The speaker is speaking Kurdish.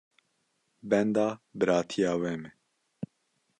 Benda biratiya we me.